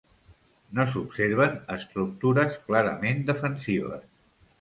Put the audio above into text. No s'observen estructures clarament defensives.